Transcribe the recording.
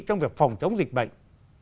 trong việc phòng chống dịch bệnh